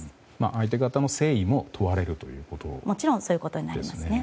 相手方の誠意も問われるということですね。